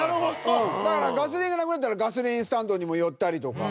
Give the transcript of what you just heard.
だから、ガソリンがなくなったらガソリンスタンドにも寄ったりとか。